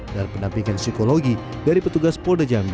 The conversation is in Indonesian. dan penampilkan psikologi dari petugas polda jambi